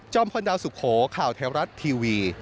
จ้อมคนดาวสุขโข่าวแท้รัฐทีวี